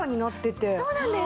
そうなんです！